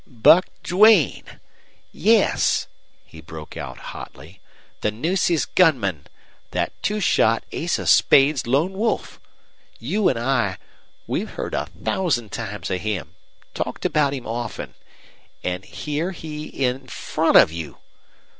"BUCK DUANE! Yes," he broke out, hotly. "The Nueces gunman! That two shot, ace of spades lone wolf! You an' I we've heard a thousand times of him talked about him often. An' here he IN FRONT of you!